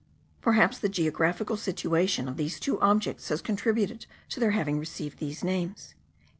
Perhaps the geographical situation of these two objects has contributed to their having received these names.